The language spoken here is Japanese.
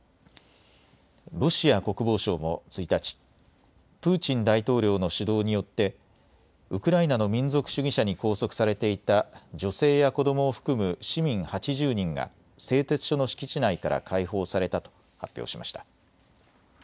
ロシア国防省も１日、プーチン大統領の主導によってウクライナの民族主義者に拘束されていた女性や子どもを含む市民８０人が製鉄所の敷地内から解放されたと発表しました。